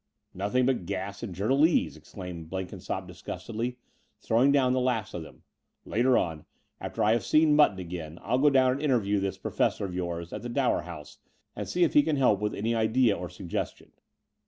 "Nothing but gas and journalese," exclaimed Blenkinsopp disgustedly, throwing down the last of them. "Later on, after I have seen Mutton again, I'll go down and interview this professor of yours at the Dower House and see if he can help with any idea or suggestion."